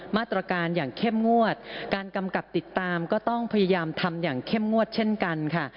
มาตรการอย่างเข้มงวดการกำกับติดตามก็ต้องพยายามทำอย่างเข้มงวดเช่นกันค่ะ